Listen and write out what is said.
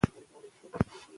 انسانان روباټونه کنټرولوي.